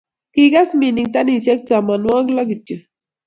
Kikes minik tanisiek tamanwogik lo kityo